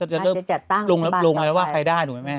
จะเริ่มลงแล้วว่าใครได้หนูแม่